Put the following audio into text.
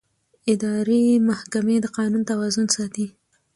اداري محکمې د قانون توازن ساتي.